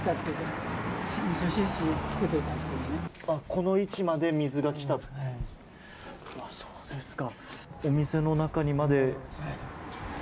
この位置まで水が来た、そうですか。